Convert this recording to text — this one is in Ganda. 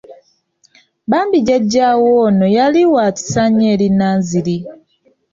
Bambi jjajja we ono yali wa kisa nnyo eri Nanziri.